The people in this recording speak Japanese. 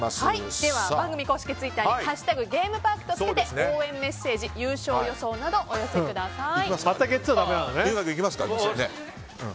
番組公式ツイッターに「＃ゲームパーク」とつけて応援メッセージ、優勝予想などお寄せください。